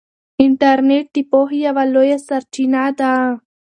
انټرنیټ د پوهې یوه لویه سرچینه ده.